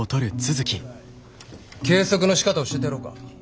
計測のしかた教えてやろうか？